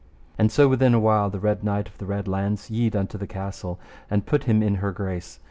And so within a while the Red Knight of the Red Launds yede unto the castle, and put him in her grace.